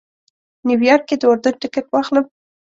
نیویارک کې د اردن ټکټ واخلم.